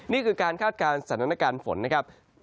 นี่คือการคาดการณ์สถานการณ์ฝนนะครับ